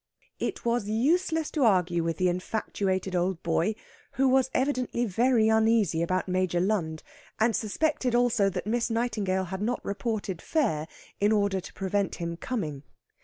It was useless to argue with the infatuated old boy, who was evidently very uneasy about Major Lund, and suspected also that Miss Nightingale had not reported fair, in order to prevent him coming.